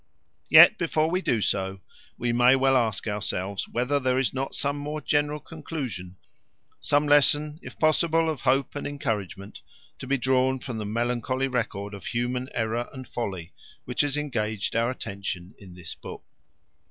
Yet before we do so, we may well ask ourselves whether there is not some more general conclusion, some lesson, if possible, of hope and encouragement, to be drawn from the melancholy record of human error and folly which has engaged our attention in this book.